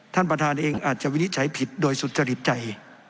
ท่านประธานเองอาจจะวินิจฉัยผิดโดยสุจริตใจ